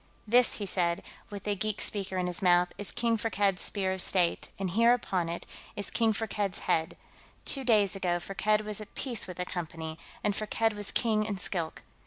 "This," he said, with the geek speaker in his mouth, "is King Firkked's Spear of State, and here, upon it, is King Firkked's head. Two days ago, Firkked was at peace with the Company, and Firkked was King in Skilk.